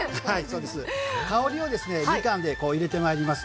香りをみかんで入れてまいります。